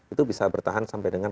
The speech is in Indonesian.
itu bisa bertahan sampai dengan